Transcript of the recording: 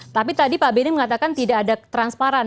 tapi tadi pak benny mengatakan tidak ada transparan